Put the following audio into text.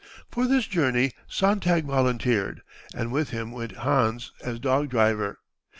For this journey Sontag volunteered, and with him went Hans as dog driver.